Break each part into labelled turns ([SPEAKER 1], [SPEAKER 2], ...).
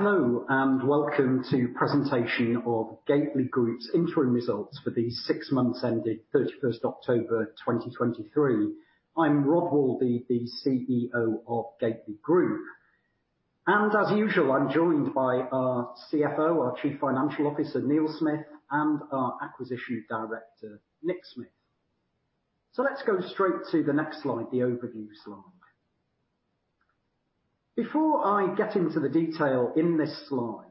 [SPEAKER 1] Hello, and welcome to the presentation of Gateley Group's interim results for the six months ending thirty-first October 2023. I'm Rod Waldie, the CEO of Gateley Group, and as usual, I'm joined by our CFO, our Chief Financial Officer, Neil Smith, and our Acquisition Director, Nick Smith. So let's go straight to the next slide, the overview slide. Before I get into the detail in this slide,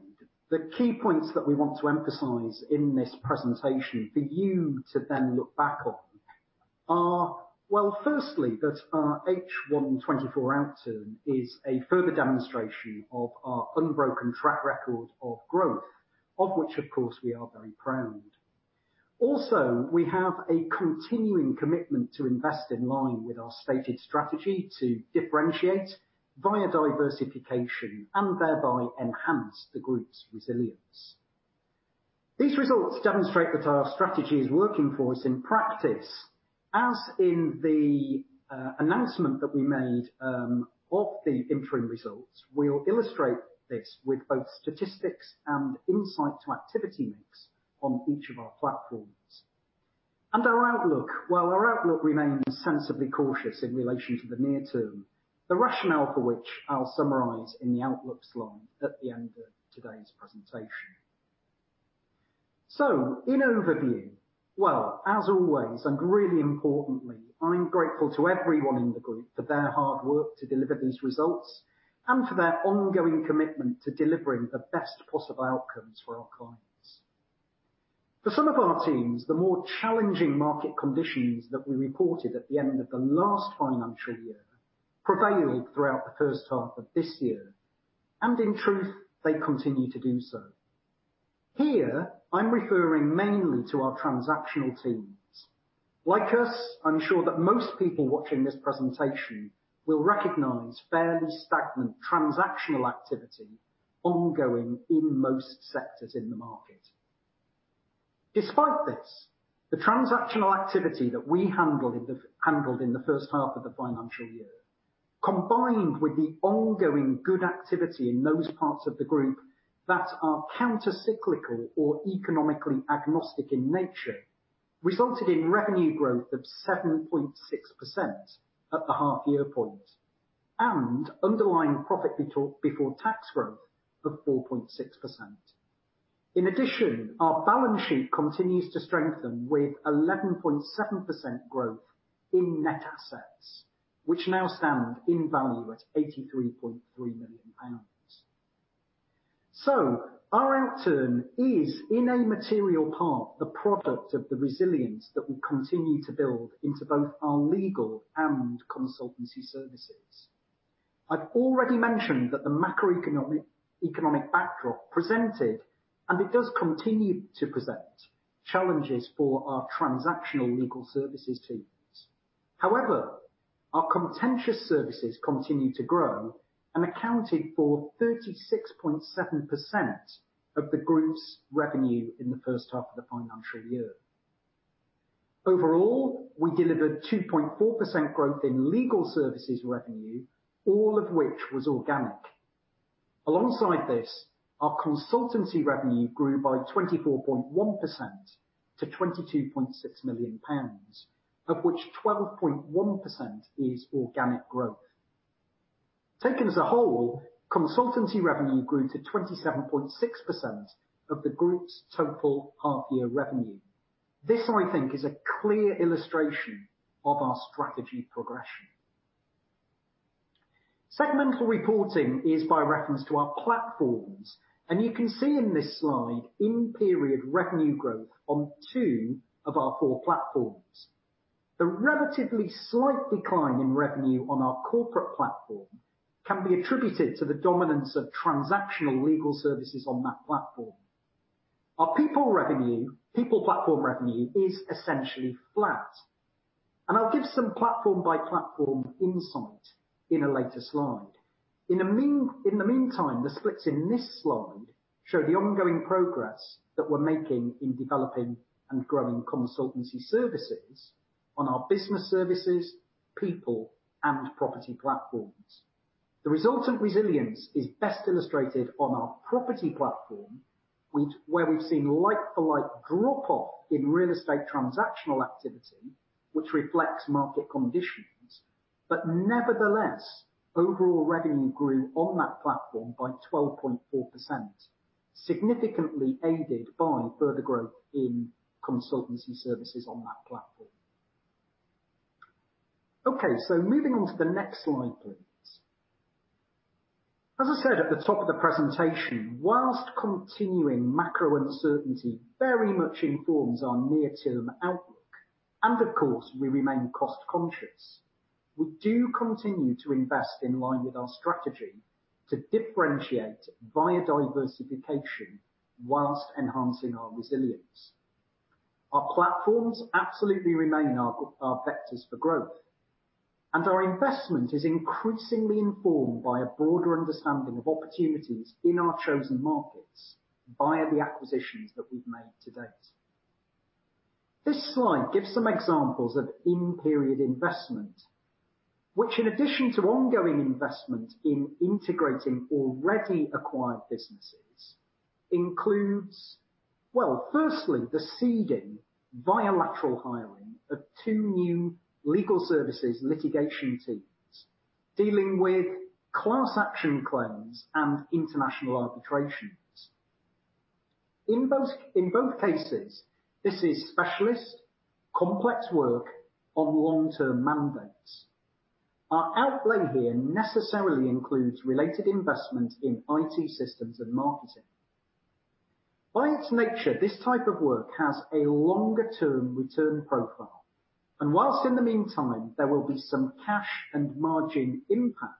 [SPEAKER 1] the key points that we want to emphasize in this presentation for you to then look back on are, well, firstly, that our H1 2024 outturn is a further demonstration of our unbroken track record of growth, of which, of course, we are very proud. Also, we have a continuing commitment to invest in line with our stated strategy to differentiate via diversification and thereby enhance the Group's resilience. These results demonstrate that our strategy is working for us in practice. As in the announcement that we made of the interim results, we'll illustrate this with both statistics and insight to activity mix on each of our platforms. Our outlook, while our outlook remains sensibly cautious in relation to the near term, the rationale for which I'll summarize in the outlook slide at the end of today's presentation. In overview, well, as always, and really importantly, I'm grateful to everyone in the group for their hard work to deliver these results and for their ongoing commitment to delivering the best possible outcomes for our clients. For some of our teams, the more challenging market conditions that we reported at the end of the last financial year prevailed throughout the first half of this year, and in truth, they continue to do so. Here, I'm referring mainly to our transactional teams. Like us, I'm sure that most people watching this presentation will recognize fairly stagnant transactional activity ongoing in most sectors in the market. Despite this, the transactional activity that we handled in the first half of the financial year, combined with the ongoing good activity in those parts of the Group that are countercyclical or economically agnostic in nature, resulted in revenue growth of 7.6% at the half year point and underlying profit before tax growth of 4.6%. In addition, our balance sheet continues to strengthen with 11.7% growth in net assets, which now stand in value at 83.3 million pounds. So our outturn is, in a material part, the product of the resilience that we continue to build into both our legal and consultancy services. I've already mentioned that the macroeconomic, economic backdrop presented, and it does continue to present challenges for our transactional legal services teams. However, our contentious services continue to grow and accounted for 36.7% of the Group's revenue in the first half of the financial year. Overall, we delivered 2.4% growth in legal services revenue, all of which was organic. Alongside this, our consultancy revenue grew by 24.1% to 22.6 million pounds, of which 12.1% is organic growth. Taken as a whole, consultancy revenue grew to 27.6% of the Group's total half-year revenue. This, I think, is a clear illustration of our strategy progression. Segmental reporting is by reference to our platforms, and you can see in this slide in-period revenue growth on two of our four platforms. The relatively slight decline in revenue on our corporate platform can be attributed to the dominance of transactional legal services on that platform. Our people revenue, people platform revenue is essentially flat, and I'll give some platform by platform insight in a later slide. In the meantime, the splits in this slide show the ongoing progress that we're making in developing and growing consultancy services on our business services, people, and property platforms. The resultant resilience is best illustrated on our property platform, which, where we've seen like-for-like drop-off in real estate transactional activity, which reflects market conditions. But nevertheless, overall revenue grew on that platform by 12.4%, significantly aided by further growth in consultancy services on that platform. Okay, so moving on to the next slide, please. As I said at the top of the presentation, while continuing macro uncertainty very much informs our near-term outlook, and of course, we remain cost conscious, we do continue to invest in line with our strategy to differentiate via diversification while enhancing our resilience. Our platforms absolutely remain our vectors for growth, and our investment is increasingly informed by a broader understanding of opportunities in our chosen markets via the acquisitions that we've made to date.... This slide gives some examples of in-period investment, which in addition to ongoing investment in integrating already acquired businesses, includes, well, firstly, the seeding via lateral hiring of two new legal services litigation teams, dealing with class action claims and international arbitrations. In both, in both cases, this is specialist complex work on long-term mandates. Our outlay here necessarily includes related investment in IT systems and marketing. By its nature, this type of work has a longer term return profile, and while in the meantime there will be some cash and margin impact,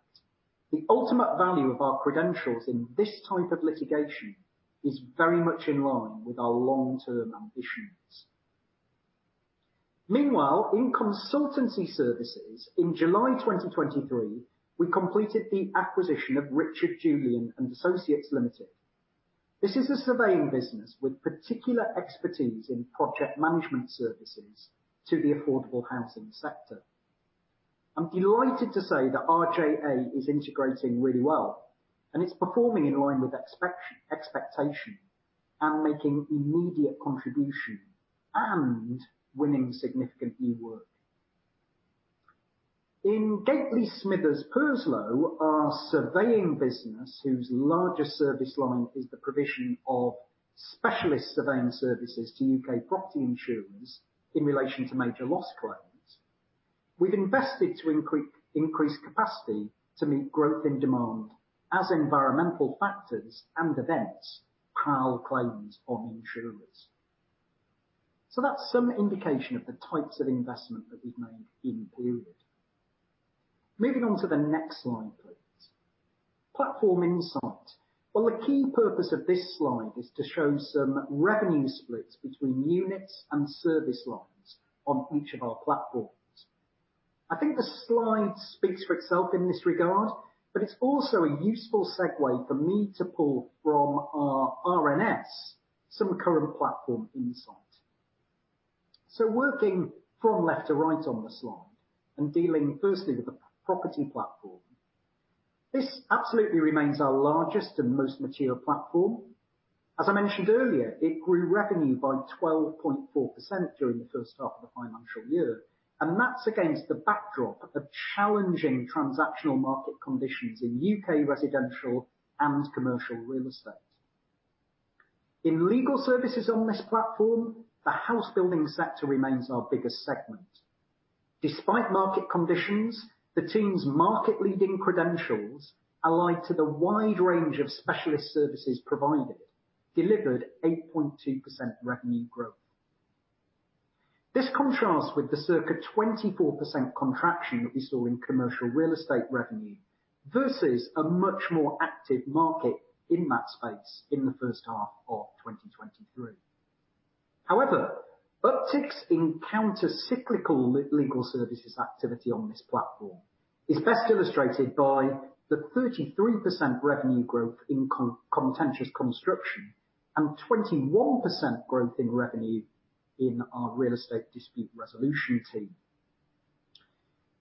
[SPEAKER 1] the ultimate value of our credentials in this type of litigation is very much in line with our long-term ambitions. Meanwhile, in consultancy services, in July 2023, we completed the acquisition of Richard Julian & Associates Limited. This is a surveying business with particular expertise in project management services to the affordable housing sector. I'm delighted to say that RJA is integrating really well, and it's performing in line with expectation and making immediate contribution and winning significant new work. In Gateley Smithers Purslow, our surveying business, whose largest service line is the provision of specialist surveying services to U.K. property insurers in relation to major loss claims, we've invested to increase capacity to meet growth in demand as environmental factors and events pile claims on insurers. So that's some indication of the types of investment that we've made in period. Moving on to the next slide, please. Platform insight. Well, the key purpose of this slide is to show some revenue splits between units and service lines on each of our platforms. I think the slide speaks for itself in this regard, but it's also a useful segue for me to pull from our RNS, some current platform insight. So working from left to right on the slide, and dealing firstly with the property platform, this absolutely remains our largest and most mature platform. As I mentioned earlier, it grew revenue by 12.4% during the first half of the financial year, and that's against the backdrop of challenging transactional market conditions in U.K. residential and commercial real estate. In legal services on this platform, the house building sector remains our biggest segment. Despite market conditions, the team's market leading credentials, allied to the wide range of specialist services provided, delivered 8.2% revenue growth. This contrasts with the circa 24% contraction that we saw in commercial real estate revenue versus a much more active market in that space in the first half of 2023. However, upticks in countercyclical legal services activity on this platform is best illustrated by the 33% revenue growth in contentious construction and 21% growth in revenue in our real estate dispute resolution team.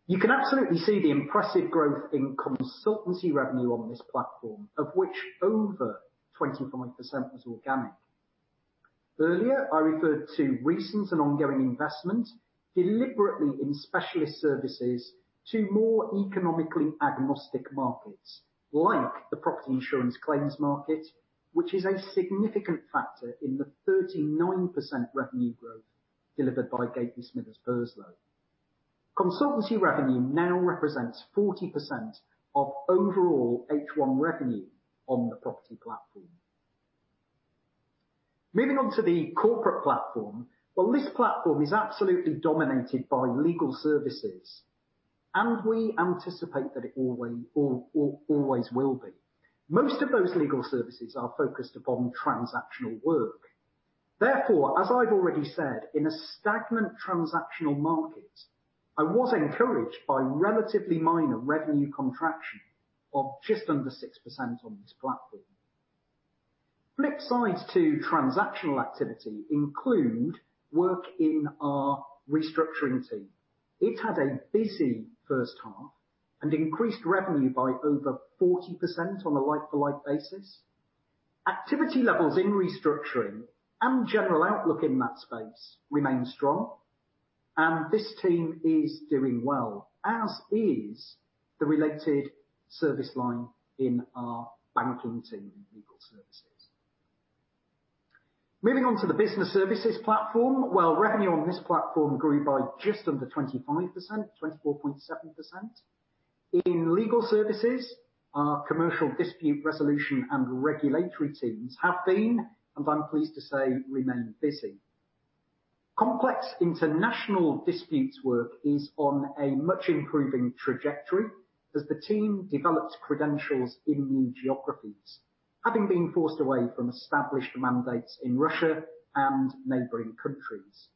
[SPEAKER 1] You can absolutely see the impressive growth in consultancy revenue on this platform, of which over 25% was organic. Earlier, I referred to recent and ongoing investment deliberately in specialist services to more economically agnostic markets, like the property insurance claims market, which is a significant factor in the 39% revenue growth delivered by Gateley Smithers Purslow. Consultancy revenue now represents 40% of overall H1 revenue on the property platform. Moving on to the corporate platform. Well, this platform is absolutely dominated by legal services, and we anticipate that it always will be. Most of those legal services are focused upon transactional work. Therefore, as I've already said, in a stagnant transactional market, I was encouraged by relatively minor revenue contraction of just under 6% on this platform. Flip sides to transactional activity include work in our restructuring team. It had a busy first half and increased revenue by over 40% on a like-for-like basis. Activity levels in restructuring and general outlook in that space remain strong, and this team is doing well, as is the related service line in our banking team in legal services. Moving on to the business services platform. Well, revenue on this platform grew by just under 25%, 24.7%. In legal services, our commercial dispute resolution and regulatory teams have been, and I'm pleased to say, remain busy. Complex international disputes work is on a much improving trajectory as the team develops credentials in new geographies, having been forced away from established mandates in Russia and neighboring countries....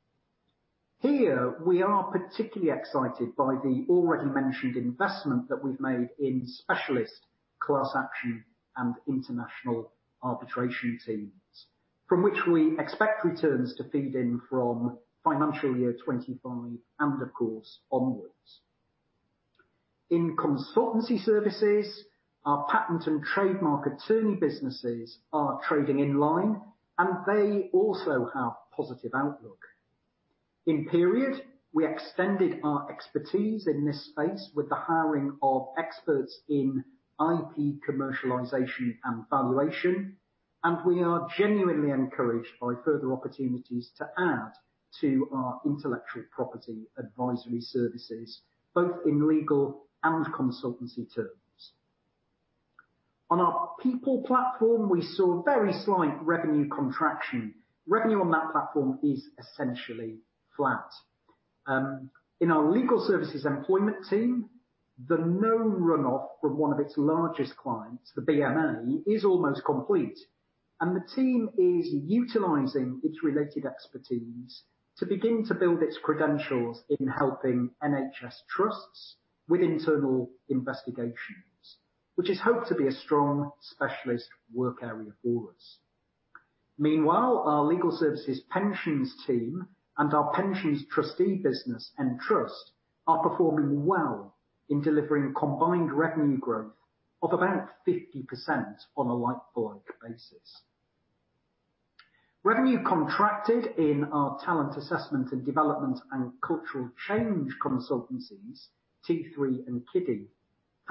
[SPEAKER 1] Here, we are particularly excited by the already mentioned investment that we've made in specialist class action and international arbitration teams, from which we expect returns to feed in from financial year 2025 and, of course, onwards. In consultancy services, our patent and trademark attorney businesses are trading in line, and they also have positive outlook. In period, we extended our expertise in this space with the hiring of experts in IP commercialization and valuation, and we are genuinely encouraged by further opportunities to add to our intellectual property advisory services, both in legal and consultancy terms. On our people platform, we saw a very slight revenue contraction. Revenue on that platform is essentially flat. In our legal services employment team, the known runoff from one of its largest clients, the BMA, is almost complete, and the team is utilizing its related expertise to begin to build its credentials in helping NHS trusts with internal investigations, which is hoped to be a strong specialist work area for us. Meanwhile, our legal services pensions team and our pensions trustee business, Entrust, are performing well in delivering combined revenue growth of about 50% on a like-for-like basis. Revenue contracted in our talent assessment and development and cultural change consultancies, t-three and Kiddy.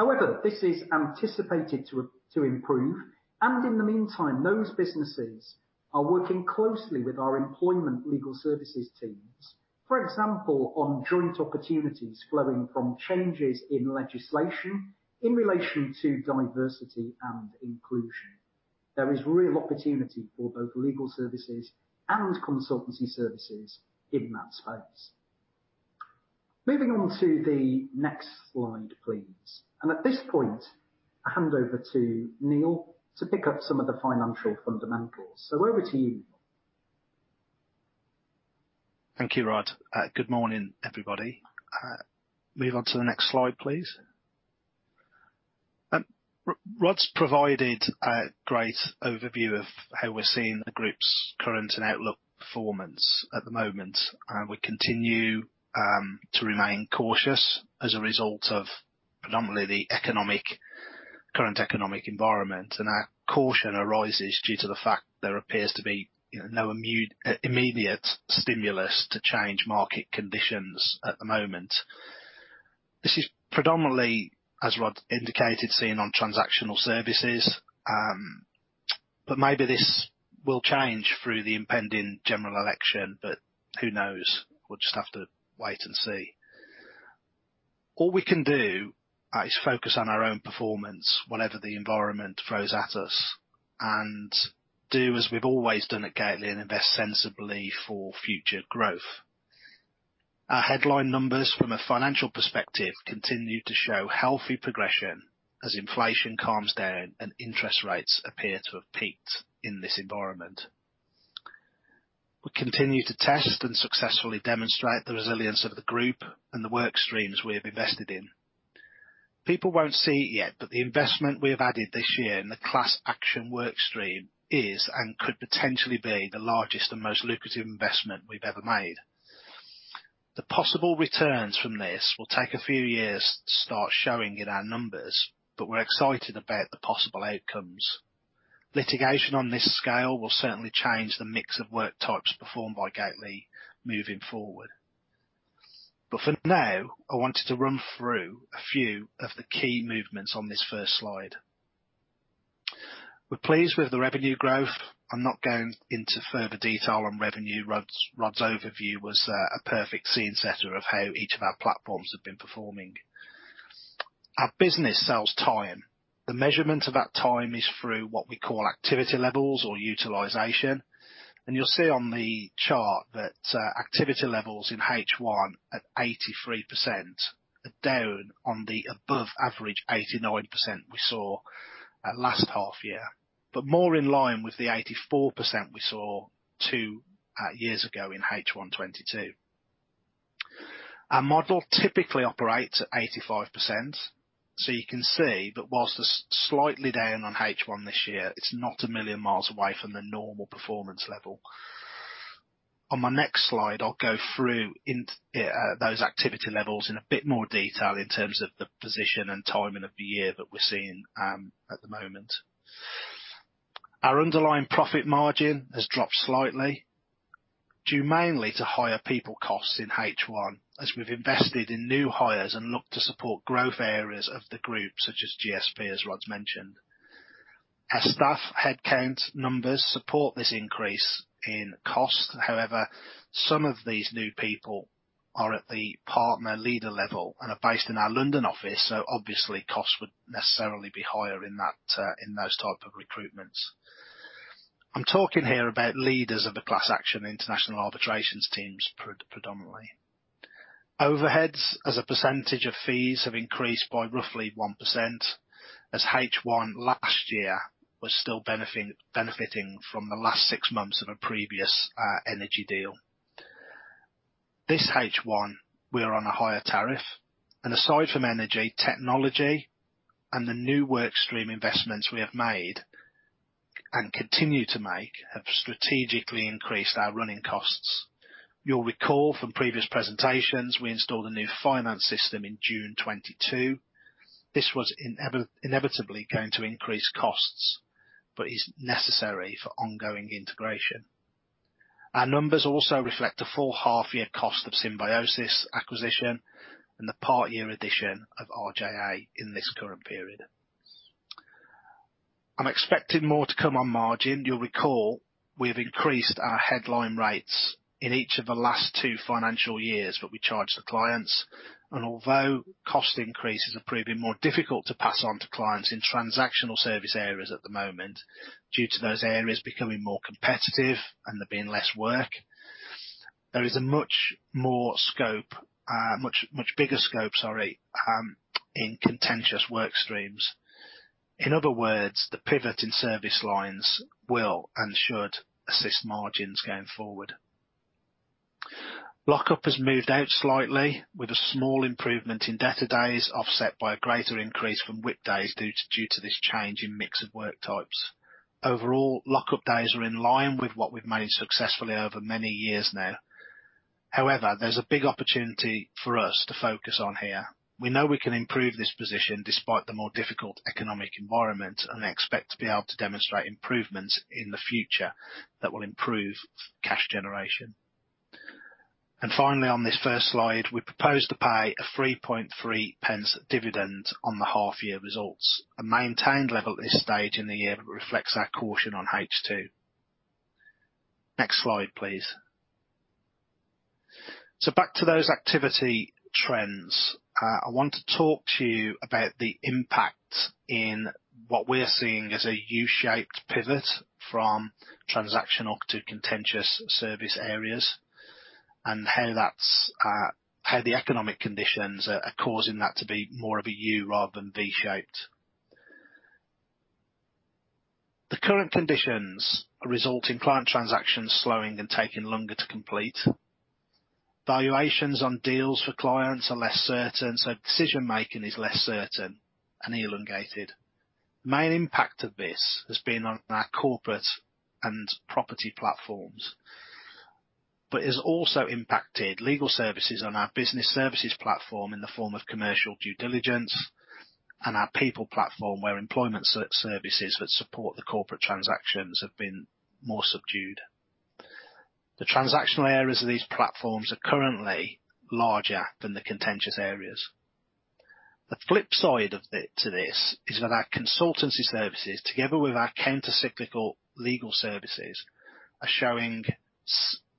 [SPEAKER 1] However, this is anticipated to improve, and in the meantime, those businesses are working closely with our employment legal services teams. For example, on joint opportunities flowing from changes in legislation in relation to diversity and inclusion. There is real opportunity for both legal services and consultancy services in that space. Moving on to the next slide, please. At this point, I hand over to Neil to pick up some of the financial fundamentals. Over to you.
[SPEAKER 2] Thank you, Rod. Good morning, everybody. Move on to the next slide, please. Rod's provided a great overview of how we're seeing the group's current and outlook performance at the moment. We continue to remain cautious as a result of predominantly the current economic environment. Our caution arises due to the fact there appears to be, you know, no immediate stimulus to change market conditions at the moment. This is predominantly, as Rod indicated, seen on transactional services, but maybe this will change through the impending general election, but who knows? We'll just have to wait and see. All we can do is focus on our own performance whenever the environment throws at us, and do as we've always done at Gateley, and invest sensibly for future growth. Our headline numbers from a financial perspective continue to show healthy progression as inflation calms down and interest rates appear to have peaked in this environment. We continue to test and successfully demonstrate the resilience of the group and the work streams we have invested in. People won't see it yet, but the investment we have added this year in the class action work stream is, and could potentially be, the largest and most lucrative investment we've ever made. The possible returns from this will take a few years to start showing in our numbers, but we're excited about the possible outcomes. Litigation on this scale will certainly change the mix of work types performed by Gateley moving forward. But for now, I wanted to run through a few of the key movements on this first slide. We're pleased with the revenue growth. I'm not going into further detail on revenue. Rod's, Rod's overview was a perfect scene setter of how each of our platforms have been performing. Our business sells time. The measurement of that time is through what we call activity levels or utilization. And you'll see on the chart that activity levels in H1 at 83% are down on the above average 89% we saw at last half year. But more in line with the 84% we saw two years ago in H1 2022. Our model typically operates at 85%, so you can see that while it's slightly down on H1 this year, it's not a million miles away from the normal performance level. On my next slide, I'll go through those activity levels in a bit more detail in terms of the position and timing of the year that we're seeing at the moment. Our underlying profit margin has dropped slightly, due mainly to higher people costs in H1, as we've invested in new hires and looked to support growth areas of the group, such as GSP, as Rod's mentioned. Our staff headcount numbers support this increase in cost. However, some of these new people are at the partner leader level and are based in our London office, so obviously, costs would necessarily be higher in that, in those type of recruitments. I'm talking here about leaders of the class action international arbitrations teams predominantly. Overheads as a percentage of fees have increased by roughly 1%, as H1 last year was still benefiting from the last six months of a previous energy deal. This H1, we are on a higher tariff, and aside from energy, technology and the new work stream investments we have made, and continue to make, have strategically increased our running costs. You'll recall from previous presentations, we installed a new finance system in June 2022. This was inevitably going to increase costs, but is necessary for ongoing integration. Our numbers also reflect a full half year cost of Symbiosis acquisition, and the part year addition of RJA in this current period. I'm expecting more to come on margin. You'll recall, we've increased our headline rates in each of the last two financial years, what we charge the clients, and although cost increases have proven more difficult to pass on to clients in transactional service areas at the moment, due to those areas becoming more competitive and there being less work, there is much, much bigger scope, sorry, in contentious work streams. In other words, the pivot in service lines will and should assist margins going forward. Lockup has moved out slightly, with a small improvement in debtor days, offset by a greater increase from WIP days, due to this change in mix of work types. Overall, lockup days are in line with what we've made successfully over many years now. However, there's a big opportunity for us to focus on here. We know we can improve this position despite the more difficult economic environment, and I expect to be able to demonstrate improvements in the future, that will improve cash generation. Finally, on this first slide, we propose to pay a 0.033 dividend on the half year results. A maintained level at this stage in the year reflects our caution on H2. Next slide, please. Back to those activity trends. I want to talk to you about the impact in what we're seeing as a U-shaped pivot from transactional to contentious service areas, and how the economic conditions are causing that to be more of a U rather than V-shaped. The current conditions are resulting client transactions slowing and taking longer to complete. Valuations on deals for clients are less certain, so decision-making is less certain and elongated. The main impact of this has been on our corporate and property platforms, but has also impacted legal services on our business services platform, in the form of commercial due diligence, and our people platform, where employment services that support the corporate transactions have been more subdued. The transactional areas of these platforms are currently larger than the contentious areas. The flip side of it to this, is that our consultancy services, together with our countercyclical legal services, are showing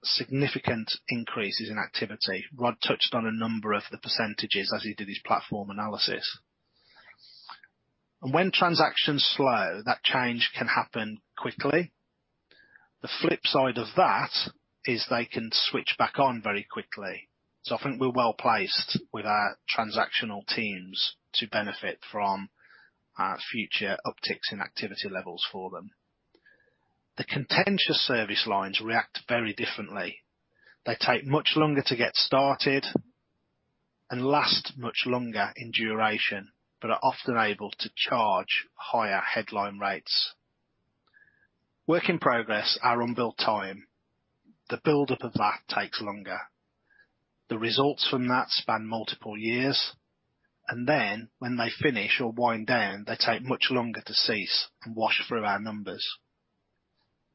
[SPEAKER 2] significant increases in activity. Rod touched on a number of the percentages as he did his platform analysis. And when transactions slow, that change can happen quickly. The flip side of that, is they can switch back on very quickly. So I think we're well placed with our transactional teams, to benefit from, future upticks in activity levels for them. The contentious service lines react very differently. They take much longer to get started, and last much longer in duration, but are often able to charge higher headline rates. Work in progress are unbilled time. The buildup of that takes longer. The results from that span multiple years, and then when they finish or wind down, they take much longer to cease and wash through our numbers.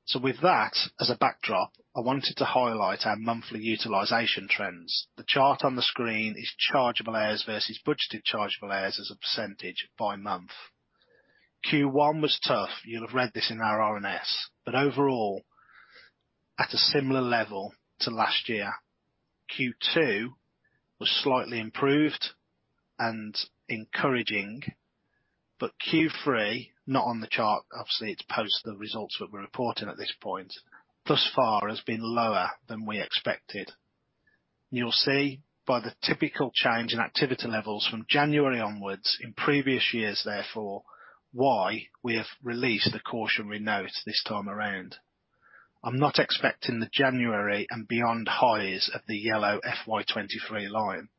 [SPEAKER 2] So with that as a backdrop, I wanted to highlight our monthly utilization trends. The chart on the screen is chargeable hours versus budgeted chargeable hours, as a percentage by month. Q1 was tough, you'll have read this in our RNS, but overall, at a similar level to last year. Q2 was slightly improved and encouraging, but Q3, not on the chart, obviously, it's post the results that we're reporting at this point, thus far has been lower than we expected. You'll see by the typical change in activity levels from January onwards in previous years, therefore, why we have released a cautionary note this time around. I'm not expecting the January and beyond highs of the yellow FY 2023 line.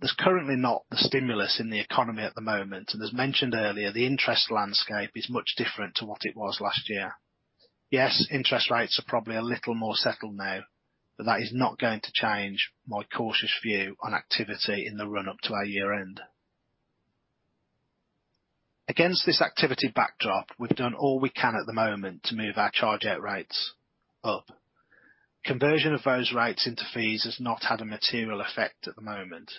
[SPEAKER 2] There's currently not a stimulus in the economy at the moment, and as mentioned earlier, the interest landscape is much different to what it was last year. Yes, interest rates are probably a little more settled now, but that is not going to change my cautious view on activity in the run-up to our year end. Against this activity backdrop, we've done all we can at the moment to move our charge-out rates up. Conversion of those rates into fees has not had a material effect at the moment,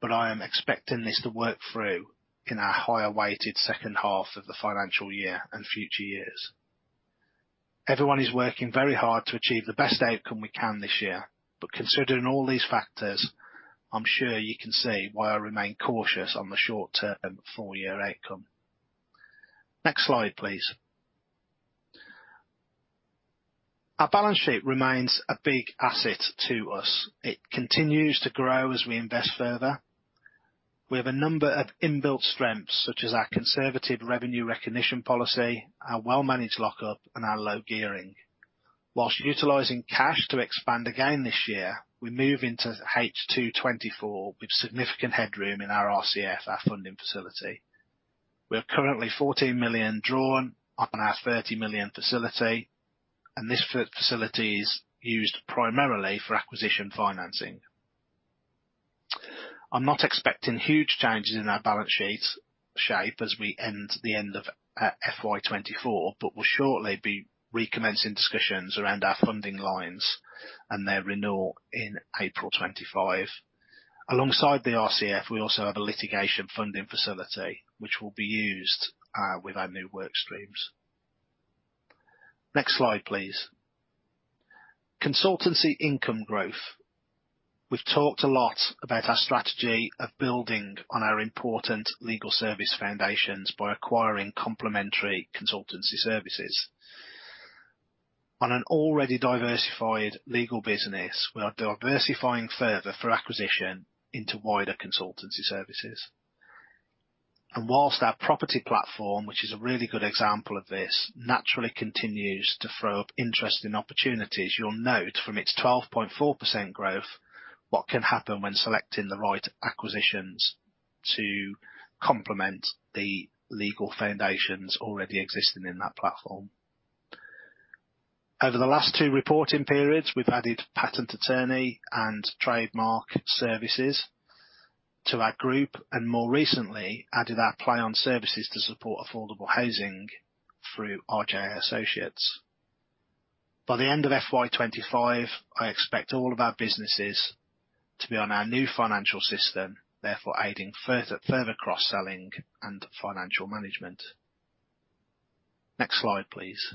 [SPEAKER 2] but I am expecting this to work through in our higher weighted second half of the financial year and future years. Everyone is working very hard to achieve the best outcome we can this year, but considering all these factors, I'm sure you can see why I remain cautious on the short term full year outcome. Next slide, please. Our balance sheet remains a big asset to us. It continues to grow as we invest further. We have a number of inbuilt strengths, such as our conservative revenue recognition policy, our well-managed lockup, and our low gearing. While utilizing cash to expand again this year, we move into H2 2024 with significant headroom in our RCF, our funding facility. We are currently 14 million drawn on our 30 million facility, and this facility is used primarily for acquisition financing. I'm not expecting huge changes in our balance sheet shape as we end of FY 2024, but we'll shortly be recommencing discussions around our funding lines and their renewal in April 2025. Alongside the RCF, we also have a litigation funding facility, which will be used with our new work streams. Next slide, please. Consultancy income growth. We've talked a lot about our strategy of building on our important legal service foundations by acquiring complementary consultancy services. On an already diversified legal business, we are diversifying further for acquisition into wider consultancy services. Whilst our property platform, which is a really good example of this, naturally continues to throw up interesting opportunities, you'll note from its 12.4% growth, what can happen when selecting the right acquisitions to complement the legal foundations already existing in that platform. Over the last two reporting periods, we've added patent attorney and trademark services to our group, and more recently, added our client services to support affordable housing through RJA. By the end of FY 2025, I expect all of our businesses to be on our new financial system, therefore aiding further cross-selling and financial management. Next slide, please.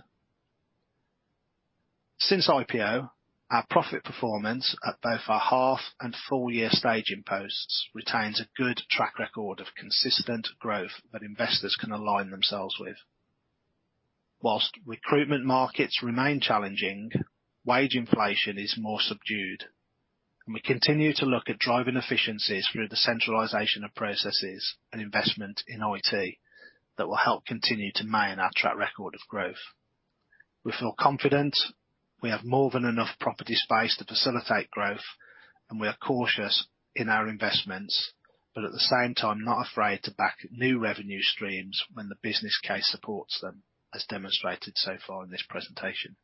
[SPEAKER 2] Since IPO, our profit performance at both our half and full year staging posts retains a good track record of consistent growth that investors can align themselves with. While recruitment markets remain challenging, wage inflation is more subdued, and we continue to look at driving efficiencies through the centralization of processes and investment in IT, that will help continue to maintain our track record of growth. We feel confident, we have more than enough property space to facilitate growth, and we are cautious in our investments, but at the same time, not afraid to back new revenue streams when the business case supports them, as demonstrated so far in this presentation.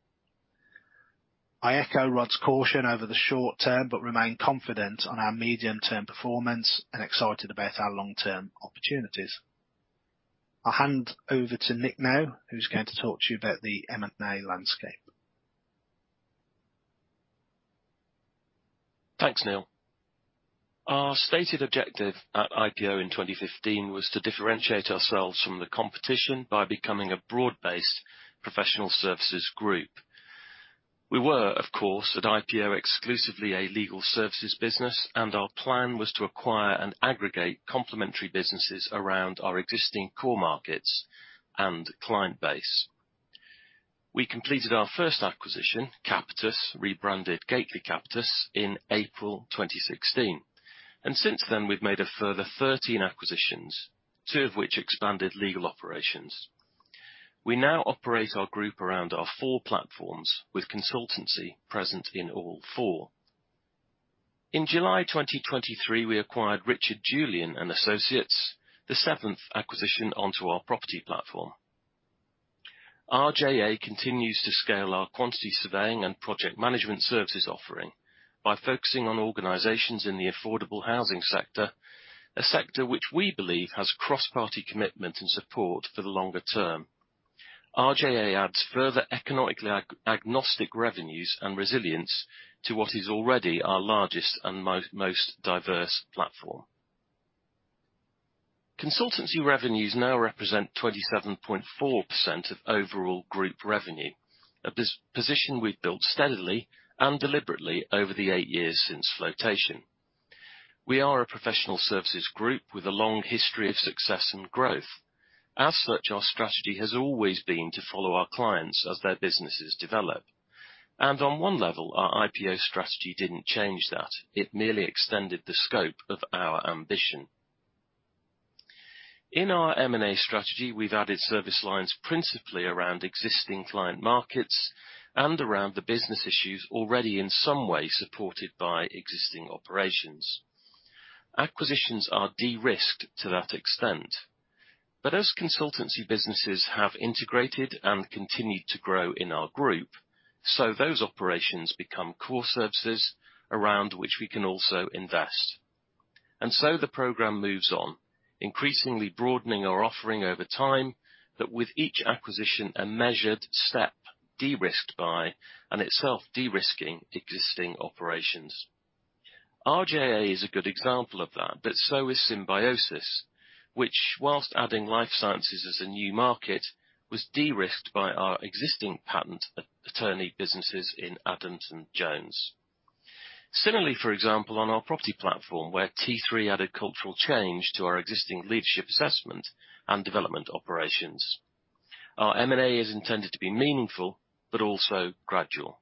[SPEAKER 2] I echo Rod's caution over the short term, but remain confident on our medium-term performance, and excited about our long-term opportunities. I'll hand over to Nick now, who's going to talk to you about the M&A landscape.
[SPEAKER 3] Thanks, Neil. Our stated objective at IPO in 2015 was to differentiate ourselves from the competition by becoming a broad-based professional services group. We were, of course, at IPO, exclusively a legal services business, and our plan was to acquire and aggregate complementary businesses around our existing core markets and client base. We completed our first acquisition, Capitus, rebranded Gateley Capitus, in April 2016, and since then, we've made a further 13 acquisitions, two of which expanded legal operations. We now operate our group around our four platforms, with consultancy present in all four. In July 2023, we acquired Richard Julian & Associates, the seventh acquisition onto our property platform. RJA continues to scale our quantity surveying and project management services offering by focusing on organizations in the affordable housing sector, a sector which we believe has cross-party commitment and support for the longer term. RJA adds further economically agnostic revenues and resilience to what is already our largest and most diverse platform. Consultancy revenues now represent 27.4% of overall group revenue, a position we've built steadily and deliberately over the eight years since flotation. We are a professional services group with a long history of success and growth. As such, our strategy has always been to follow our clients as their businesses develop, and on one level, our IPO strategy didn't change that. It merely extended the scope of our ambition. In our M&A strategy, we've added service lines principally around existing client markets and around the business issues already in some way supported by existing operations. Acquisitions are de-risked to that extent, but as consultancy businesses have integrated and continued to grow in our group, so those operations become core services around which we can also invest. And so the program moves on, increasingly broadening our offering over time, but with each acquisition, a measured step, de-risked by, and itself de-risking existing operations. RJA is a good example of that, but so is Symbiosis, which, while adding life sciences as a new market, was de-risked by our existing patent attorney businesses in Adamson Jones. Similarly, for example, on our property platform, where t-three added cultural change to our existing leadership assessment and development operations. Our M&A is intended to be meaningful but also gradual.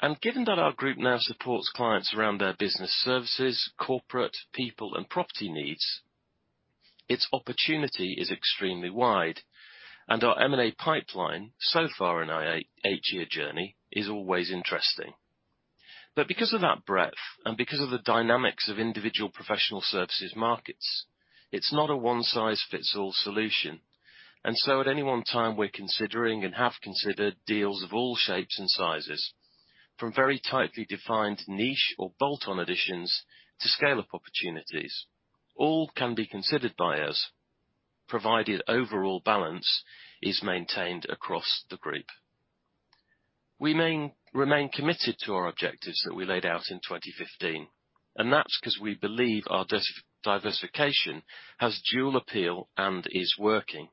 [SPEAKER 3] And given that our group now supports clients around their business services, corporate, people, and property needs, its opportunity is extremely wide, and our M&A pipeline, so far in our eight-year journey, is always interesting. But because of that breadth, and because of the dynamics of individual professional services markets, it's not a one-size-fits-all solution. And so at any one time, we're considering and have considered deals of all shapes and sizes, from very tightly defined niche or bolt-on additions to scale-up opportunities. All can be considered by us, provided overall balance is maintained across the group. We remain committed to our objectives that we laid out in 2015, and that's 'cause we believe our diversification has dual appeal and is working.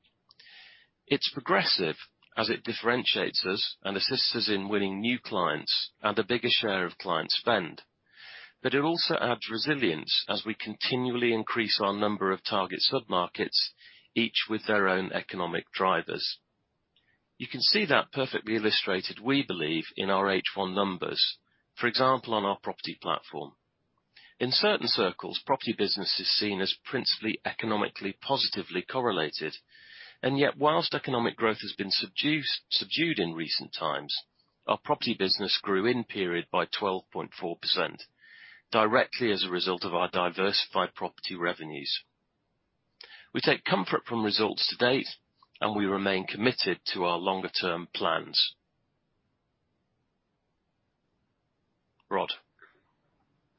[SPEAKER 3] It's progressive, as it differentiates us and assists us in winning new clients and a bigger share of client spend. But it also adds resilience as we continually increase our number of target submarkets, each with their own economic drivers. You can see that perfectly illustrated, we believe, in our H1 numbers, for example, on our property platform. In certain circles, property business is seen as principally, economically, positively correlated, and yet, while economic growth has been subdued, subdued in recent times, our property business grew in period by 12.4%, directly as a result of our diversified property revenues. We take comfort from results to date, and we remain committed to our longer term plans. Rod?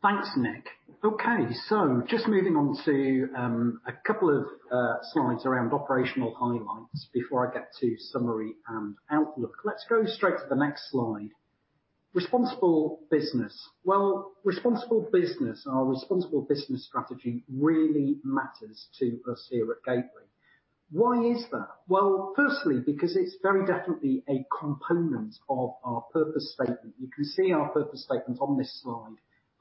[SPEAKER 1] Thanks, Nick. Okay, so just moving on to a couple of slides around operational highlights before I get to summary and outlook. Let's go straight to the next slide. Responsible business. Well, responsible business, our responsible business strategy really matters to us here at Gateley. Why is that? Well, firstly, because it's very definitely a component of our purpose statement. You can see our purpose statement on this slide,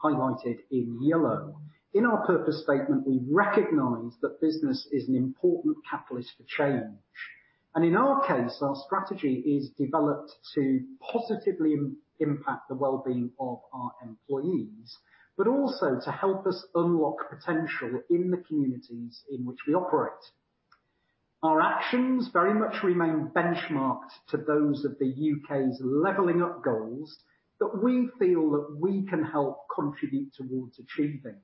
[SPEAKER 1] highlighted in yellow. In our purpose statement, we recognize that business is an important catalyst for change. And in our case, our strategy is developed to positively impact the well-being of our employees, but also to help us unlock potential in the communities in which we operate. Our actions very much remain benchmarked to those of the U.K.'s Levelling Up goals, that we feel that we can help contribute towards achieving.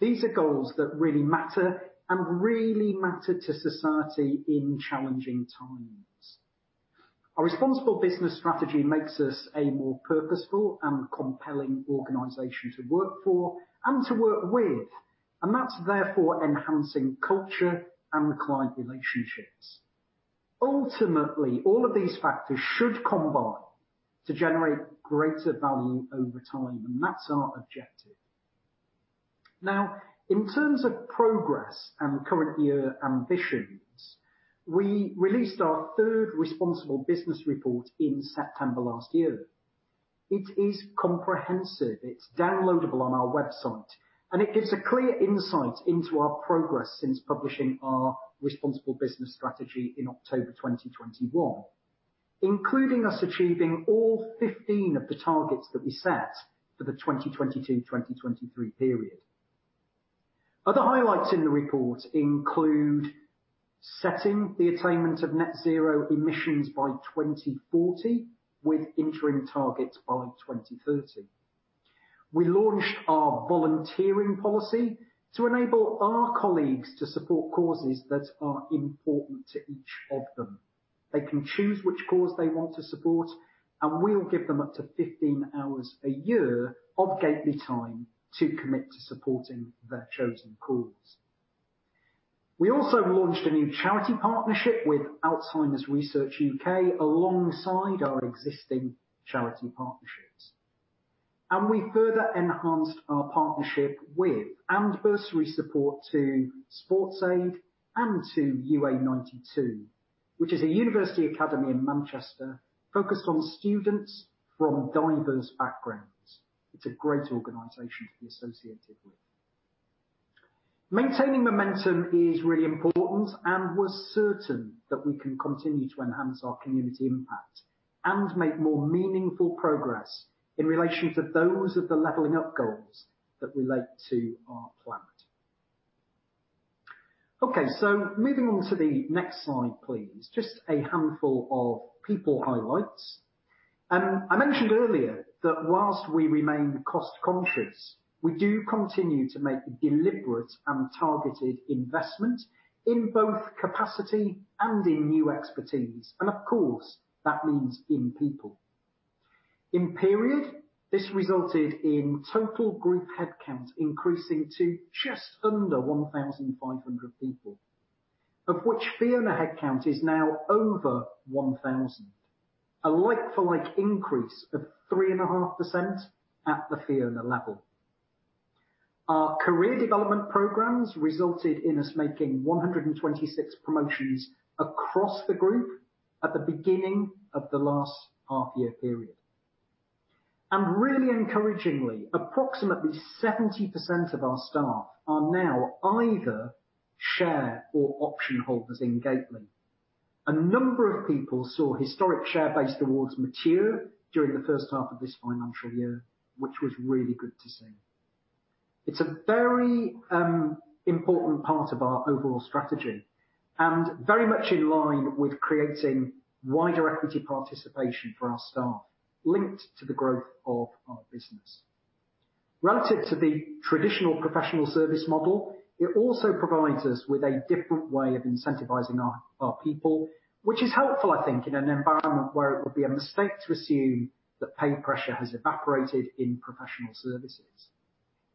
[SPEAKER 1] These are goals that really matter and really matter to society in challenging times. Our responsible business strategy makes us a more purposeful and compelling organization to work for and to work with, and that's therefore enhancing culture and client relationships. Ultimately, all of these factors should combine to generate greater value over time, and that's our objective. Now, in terms of progress and current year ambitions, we released our third responsible business report in September last year. It is comprehensive, it's downloadable on our website, and it gives a clear insight into our progress since publishing our responsible business strategy in October 2021, including us achieving all 15 of the targets that we set for the 2022/2023 period. Other highlights in the report include setting the attainment of net zero emissions by 2040, with interim targets by 2030. We launched our volunteering policy to enable our colleagues to support causes that are important to each of them. They can choose which cause they want to support, and we'll give them up to 15 hours a year of Gateley time to commit to supporting their chosen cause. We also launched a new charity partnership with Alzheimer's Research U.K., alongside our existing charity partnerships. We further enhanced our partnership with anniversary support to SportsAid and to UA92, which is a university academy in Manchester focused on students from diverse backgrounds. It's a great organization to be associated with. Maintaining momentum is really important, and we're certain that we can continue to enhance our community impact and make more meaningful progress in relation to those of the Levelling Up goals that relate to our planet. Okay, so moving on to the next slide, please. Just a handful of people highlights. I mentioned earlier that while we remain cost conscious, we do continue to make deliberate and targeted investment in both capacity and in new expertise, and of course, that means in people. In period, this resulted in total group headcount increasing to just under 1,500 people, of which FTE headcount is now over 1,000, a like-for-like increase of 3.5% at the FTE level. Our career development programs resulted in us making 126 promotions across the group at the beginning of the last half year period. Really encouragingly, approximately 70% of our staff are now either share or option holders in Gateley. A number of people saw historic share-based awards mature during the first half of this financial year, which was really good to see. It's a very important part of our overall strategy and very much in line with creating wider equity participation for our staff, linked to the growth of our business. Relative to the traditional professional service model, it also provides us with a different way of incentivizing our people, which is helpful, I think, in an environment where it would be a mistake to assume that pay pressure has evaporated in professional services.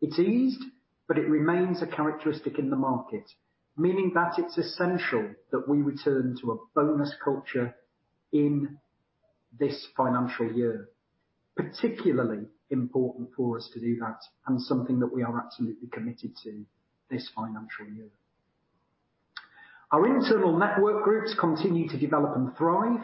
[SPEAKER 1] It's eased, but it remains a characteristic in the market, meaning that it's essential that we return to a bonus culture in this financial year. Particularly important for us to do that, and something that we are absolutely committed to this financial year. Our internal network groups continue to develop and thrive.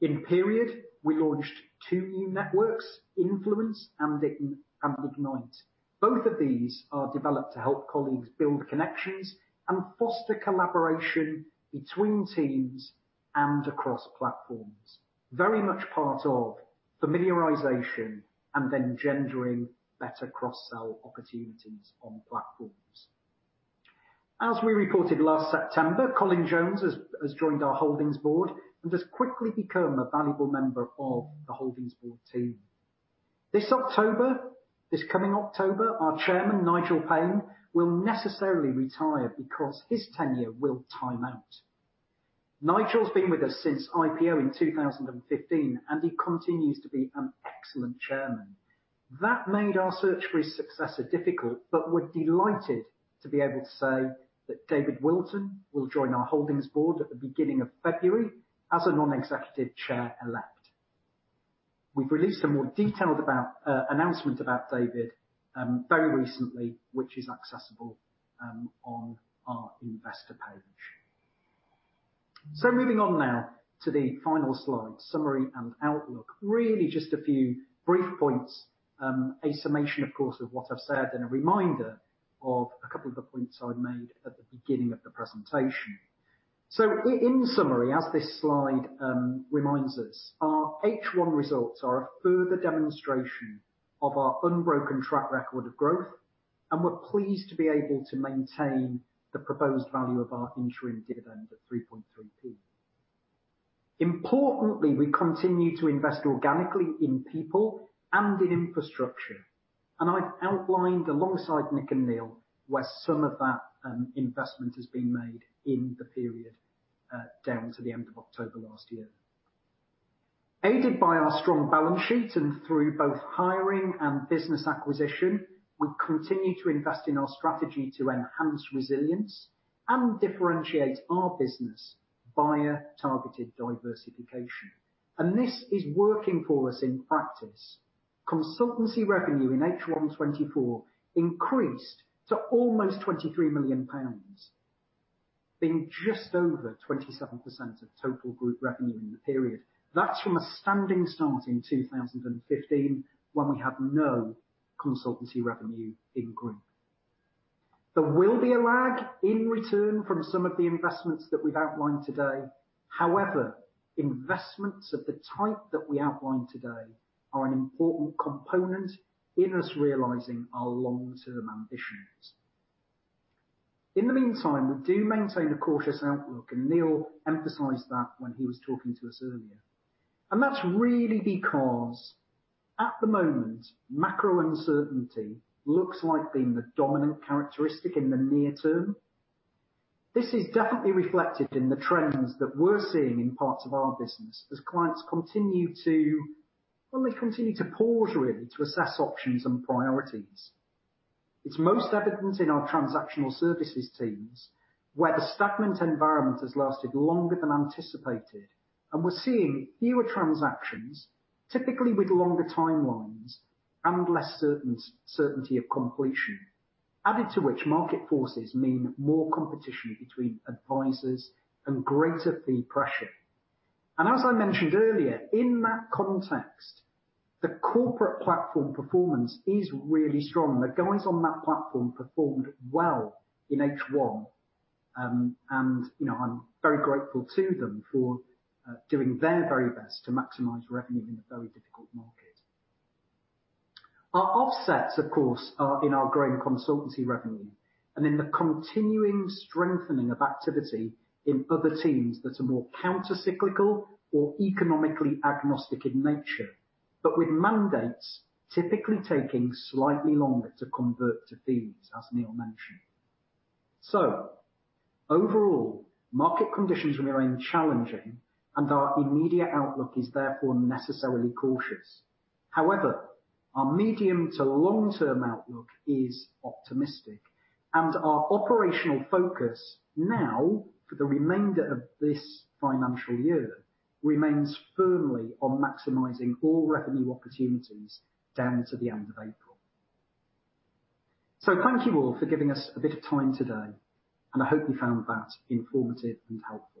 [SPEAKER 1] In period, we launched two new networks, Influence and Ignite. Both of these are developed to help colleagues build connections and foster collaboration between teams and across platforms. Very much part of familiarization and engendering better cross-sell opportunities on platforms. As we reported last September, Colin Jones has joined our holdings board and has quickly become a valuable member of the holdings board team. This October, this coming October, our Chairman, Nigel Payne, will necessarily retire because his tenure will time out. Nigel's been with us since IPO in 2015, and he continues to be an excellent chairman. That made our search for his successor difficult, but we're delighted to be able to say that David Wilton will join our holdings board at the beginning of February as a non-executive chair-elect. We've released a more detailed about, announcement about David, very recently, which is accessible, on our investor page. So moving on now to the final slide, summary and outlook. Really just a few brief points, a summation, of course, of what I've said, and a reminder of a couple of the points I made at the beginning of the presentation. So in summary, as this slide reminds us, our H1 results are a further demonstration of our unbroken track record of growth, and we're pleased to be able to maintain the proposed value of our interim dividend of 0.033. Importantly, we continue to invest organically in people and in infrastructure, and I've outlined, alongside Nick and Neil, where some of that investment has been made in the period, down to the end of October last year. Aided by our strong balance sheet and through both hiring and business acquisition, we continue to invest in our strategy to enhance resilience and differentiate our business via targeted diversification. This is working for us in practice. Consultancy revenue in H1 2024 increased to almost 23 million pounds, being just over 27% of total group revenue in the period. That's from a standing start in 2015, when we had no consultancy revenue in group. There will be a lag in return from some of the investments that we've outlined today. However, investments of the type that we outlined today are an important component in us realizing our long-term ambitions. In the meantime, we do maintain a cautious outlook, and Neil emphasized that when he was talking to us earlier. That's really because at the moment, macro uncertainty looks like being the dominant characteristic in the near term. This is definitely reflected in the trends that we're seeing in parts of our business as clients continue to... Well, they continue to pause, really, to assess options and priorities. It's most evident in our transactional services teams, where the stagnant environment has lasted longer than anticipated, and we're seeing fewer transactions, typically with longer timelines and less certainty of completion. Added to which, market forces mean more competition between advisors and greater fee pressure. And as I mentioned earlier, in that context, the corporate platform performance is really strong. The guys on that platform performed well in H1. You know, I'm very grateful to them for doing their very best to maximize revenue in a very difficult market. Our offsets, of course, are in our growing consultancy revenue and in the continuing strengthening of activity in other teams that are more countercyclical or economically agnostic in nature, but with mandates typically taking slightly longer to convert to fees, as Neil mentioned. So overall, market conditions remain challenging, and our immediate outlook is therefore necessarily cautious. However, our medium to long-term outlook is optimistic, and our operational focus now, for the remainder of this financial year, remains firmly on maximizing all revenue opportunities down to the end of April. So thank you all for giving us a bit of time today, and I hope you found that informative and helpful.